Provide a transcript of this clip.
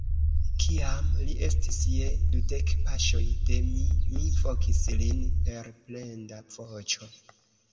Kiam li estis je dudek paŝoj de mi, mi vokis lin per plenda voĉo.